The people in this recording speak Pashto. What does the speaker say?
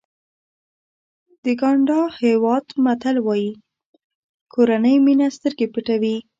د ګاڼډا هېواد متل وایي کورنۍ مینه سترګې پټوي.